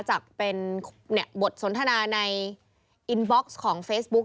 จากเป็นบทสนทนาในอินบ็อกซ์ของเฟซบุ๊ค